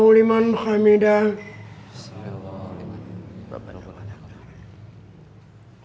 waalaikumsalam warahmatullahi wabarakatuh